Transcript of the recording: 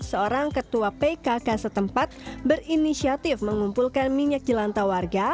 seorang ketua pkk setempat berinisiatif mengumpulkan minyak jelanta warga